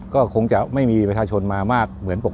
ก็คงจะไม่มีประชาชนมามากเหมือนปกติ